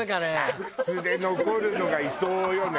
煮沸で残るのがいそうよね。